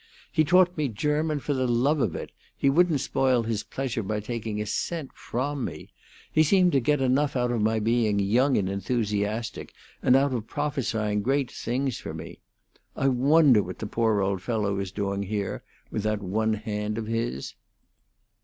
He taught me German for the love of it; he wouldn't spoil his pleasure by taking a cent from me; he seemed to get enough out of my being young and enthusiastic, and out of prophesying great things for me. I wonder what the poor old fellow is doing here, with that one hand of his?"